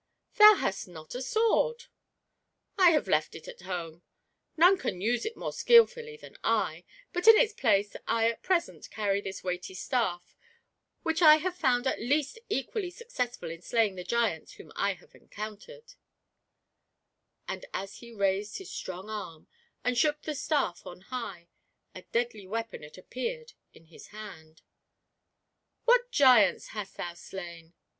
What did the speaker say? "Thou hast not a sword !"" I have left it at home — none can use it more skil fully than I; but in its place I at present cariy this weighty staff, which I have found at least equally suc cessful in slaying the giants whom I have encountered;" and as he raised his strong arm, and shook the staff on high, a deadly weapon it appeared in his hand. "What giants hast thou slain?"